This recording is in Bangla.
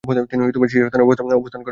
তিনি শীর্ষস্থানে অবস্থান করেন।